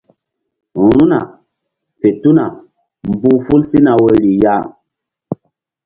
Ru̧hna fe tuna mbu̧h ful sina woyri ya.